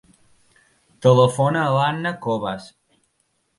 Telefona a l'Anna Cobas.